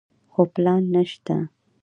خو پلان نشته.